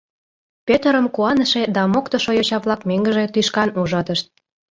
Пӧтырым куаныше да моктышо йоча-влак мӧҥгыжӧ тӱшкан ужатышт.